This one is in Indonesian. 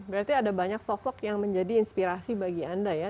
berarti ada banyak sosok yang menjadi inspirasi bagi anda ya